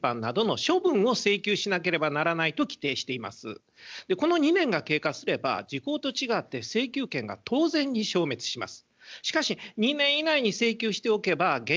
民法は離婚に伴うこの２年が経過すれば時効と違って請求権が当然に消滅します。